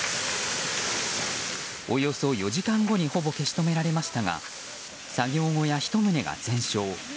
およそ４時間後にほぼ消し止められましたが作業小屋１棟が全焼。